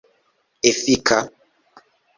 efika